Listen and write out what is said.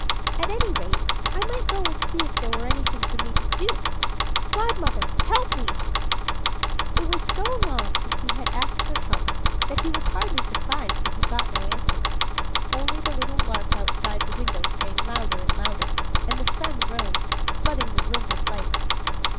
At any rate, I might go and see if there were anything for me to do. Godmother, help me!" It was so long since he had asked her help that he was hardly surprised when he got no answer only the little lark outside the window sang louder and louder, and the sun rose, flooding the room with light.